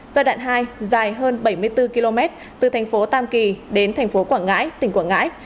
giai đoạn hai dài hơn bảy mươi bốn km từ thành phố tam kỳ đến thành phố quảng ngãi tỉnh quảng ngãi